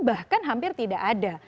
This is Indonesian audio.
bahkan hampir tidak ada